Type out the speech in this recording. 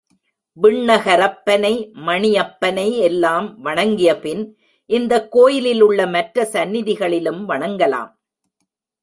விண்ணகரப்பனை, மணியப்பனை எல்லாம் வணங்கியபின் இந்தக் கோயிலில் உள்ள மற்ற சந்நிதிகளிலும் வணங்கலாம்.